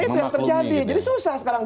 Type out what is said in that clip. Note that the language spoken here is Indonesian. itu yang terjadi jadi susah sekarang